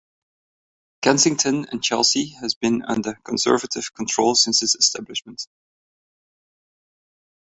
Kensington and Chelsea has been under Conservative control since its establishment.